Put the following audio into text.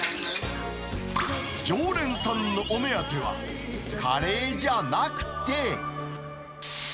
常連さんのお目当ては、カレーじゃなくて。